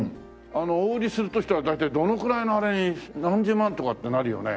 お売りするとしたら大体どのくらいのあれに何十万とかってなるよね？